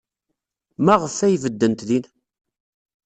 Maɣef ay beddent din?